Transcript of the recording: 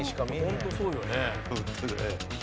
ホントそうよね。